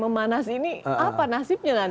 memanas ini apa nasibnya